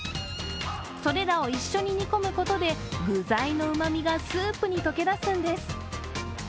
それらを一緒に煮込むことで具材のうまみがスープに溶け出すんです。